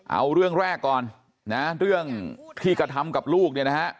เอาเรื่องแรกก่อนเรื่องที่กระทำกับลูก